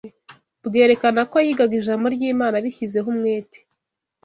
bwerekana ko yigaga Ijambo ry’Imana abishyizeho umwete